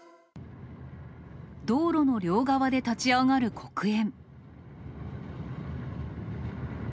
道路の両側で立ち上がる黒煙。